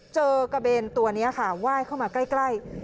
กระเบนตัวนี้ค่ะไหว้เข้ามาใกล้